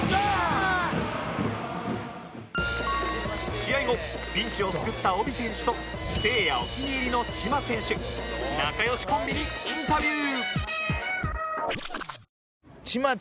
試合後ピンチを救ったオビ選手とせいやお気に入りのチマ選手仲良しコンビにインタビュー！